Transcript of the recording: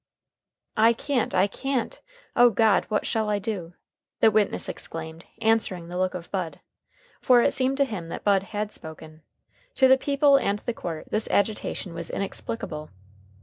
"I can't, I can't. O God! What shall I do?" the witness exclaimed, answering the look of Bud. For it seemed to him that Bud had spoken. To the people and the court this agitation was inexplicable.